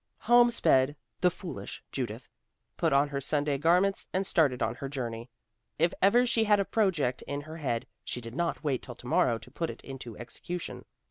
Home sped the "foolish" Judith; put on her Sunday garments and started on her journey. If ever she had a project in her head, she did not wait till to morrow to put it into execution.